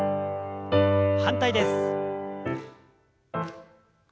反対です。